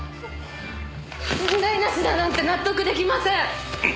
問題なしだなんて納得出来ません！